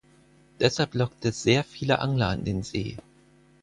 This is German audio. Deshalb lockt es sehr viele Angler an den See.